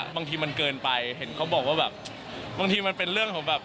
บางทีมันเกินไปเห็นเขาบอกว่าแบบบางทีมันเป็นเรื่องของแบบ